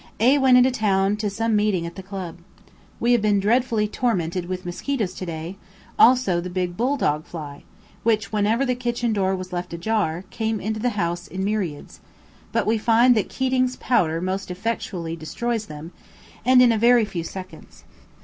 A went into town to some meeting at the Club. We have been dreadfully tormented with mosquitoes today, also the big "bull dog" fly, which, whenever the kitchen door was left ajar, came into the house in myriads; but we find that Keating's powder most effectually destroys them, and in a very few seconds.